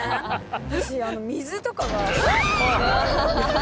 私あの水とかが。